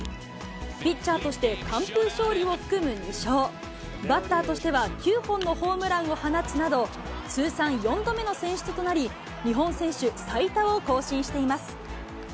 ピッチャーとして完封勝利を含む２勝、バッターとしては９本のホームランを放つなど、通算４度目の選出となり、日本選手最多を更新しています。